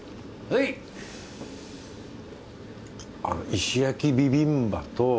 あの石焼きビビンバと。